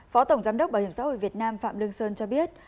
phó tổng giám đốc bảo hiểm xã hội việt nam phạm lương sơn cho biết